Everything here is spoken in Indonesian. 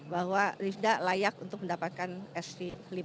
bahwa rifda layak untuk mendapatkan sd lima